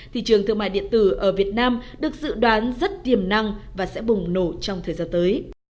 thị trường thương mại điện tử ở việt nam được dự đoán rất điểm năng và sẽ bùng nổ trong thời gian tới